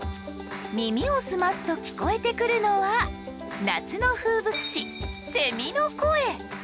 耳を澄ますと聞こえてくるのは夏の風物詩セミの声。